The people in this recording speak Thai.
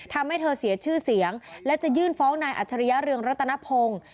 ทำให้เธอเสียชื่อเสียงและจะยื่นฟ้องนายอัจฉริยะเรืองรัตนพงศ์